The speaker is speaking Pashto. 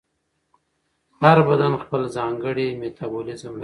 هر بدن خپل ځانګړی میتابولیزم لري.